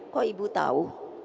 kok ibu tahu